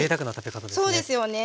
そうですよね。